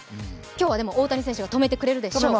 今日はでも、大谷選手が止めてくれるでしょう。